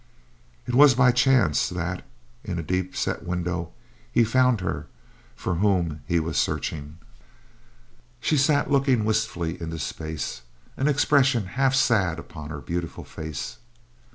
It was by chance that, in a deep set window, he found her for whom he was searching. She sat looking wistfully into space, an expression half sad upon her beautiful face.